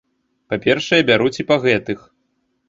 Па-першае, бяруць і па гэтых.